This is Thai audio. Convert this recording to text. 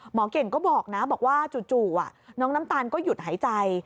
เก่งก็บอกนะบอกว่าจู่น้องน้ำตาลก็หยุดหายใจ